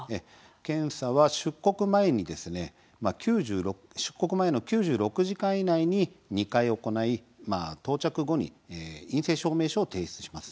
検査は出国前の９６時間以内に２回行い到着後に陰性証明書を提出します。